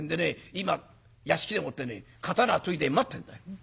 今屋敷でもって刀研いで待ってんだよ。